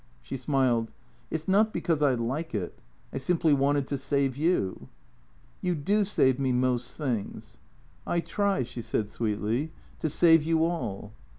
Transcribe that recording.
" She smiled. " It 's not because I like it. I simply wanted to save you." " You do save me most things." " I try," she said sweetly, " to save you ail."